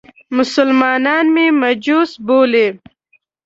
مسلمانان مې مجوس بولي.